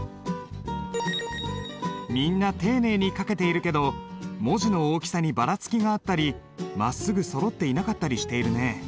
みんな丁寧に書けているけど文字の大きさにバラつきがあったりまっすぐそろっていなかったりしているね。